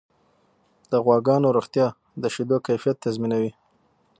د غواګانو روغتیا د شیدو کیفیت تضمینوي.